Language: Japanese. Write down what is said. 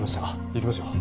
行きましょう。